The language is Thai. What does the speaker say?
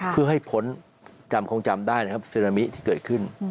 เพื่อให้พ้นจำคงจำได้นะครับซึนามิที่เกิดขึ้น